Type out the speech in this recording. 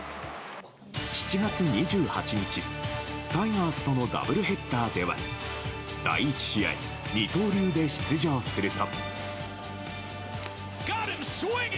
７月２８日、タイガースとのダブルヘッダーでは第１試合、二刀流で出場すると。